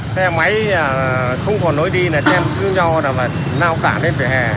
xe máy không còn nối đi trên cứu nhau là nào cản đến về hè